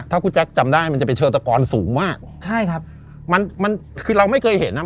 ถ้าคุณแจ๊คจำได้มันจะเป็นเชิงตะกอนสูงมากใช่ครับมันมันคือเราไม่เคยเห็นอ่ะ